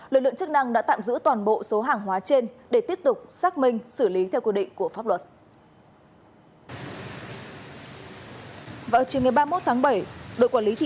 lực lượng chức năng đã tạm giữ toàn bộ số hàng hóa trên để tiếp tục xác minh xử lý theo quy định của pháp luật